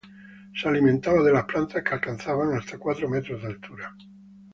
Se alimentaba de las plantas que alcanzaban hasta cuatro metros de altura.